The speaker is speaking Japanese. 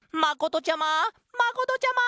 まことちゃま！